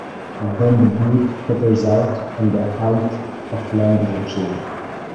Then the brook peters out and a height of land is achieved.